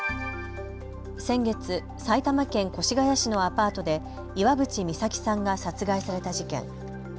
先月、埼玉県越谷市のアパートで岩渕未咲さんが殺害された事件。